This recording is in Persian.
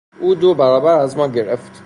او دو برابر از ما گرفت.